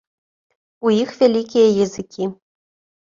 У іх вялікія языкі.